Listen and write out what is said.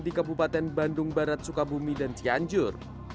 di kabupaten bandung barat sukabumi dan cianjur